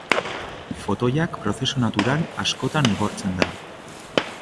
Fotoiak prozesu natural askotan igortzen da.